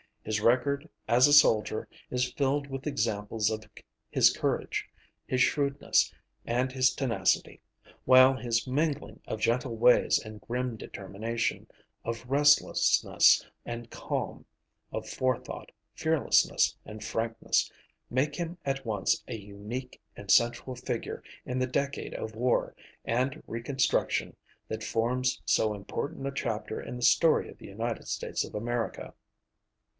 His record as a soldier is filled with examples of his courage, his shrewdness, and his tenacity, while his mingling of gentle ways and grim determination, of restlessness and calm, of forethought, fearlessness, and frankness, make him at once a unique and central figure in the decade of war and reconstruction that forms so important a chapter in the story of the United States of America.